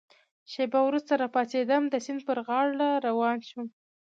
شېبه وروسته را پاڅېدم، د سیند پر غاړه روان شوم.